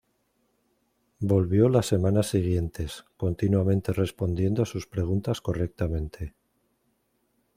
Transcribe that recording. Volvió las semanas siguientes, continuamente respondiendo a sus preguntas correctamente.